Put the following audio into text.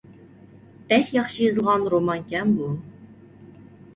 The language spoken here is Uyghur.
بەك ياخشى يېزىلغان رومانكەن بۇ!